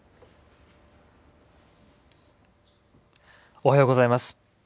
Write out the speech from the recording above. おはようございます。